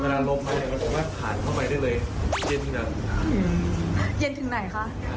ครั้งนั้นรบมาเดี๋ยวเราคุมมาขาดเข้าไปได้เลยเย็นถึงตัวผมฮะ